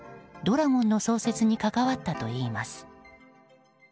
羅権の創設に関わったといいます。